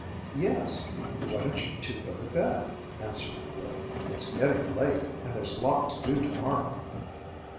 'Yes. Why don't you two go to bed?' answered the boy. 'It's getting late, and there's lot to do to morrow.'